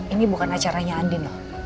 ini bukan acaranya andin loh